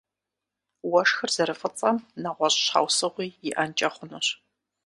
Уэшхыр зэрыфӀыцӀэм нэгъуэщӀ щхьэусыгъуи иӀэнкӀэ хъунущ.